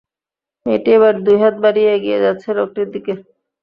মেয়েটি এবার দুইহাত বাড়িয়ে এগিয়ে যাচ্ছে লোকটির দিকে।